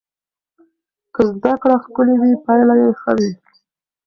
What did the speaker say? که زده کړه ښکلې وي پایله یې ښه وي.